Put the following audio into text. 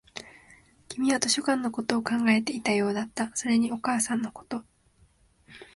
君は図書館のことを考えていたようだった、それにお母さんのこと